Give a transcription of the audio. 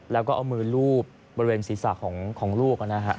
แล้วก็เอามือลูบบริเวณศีรษะของลูกนะฮะ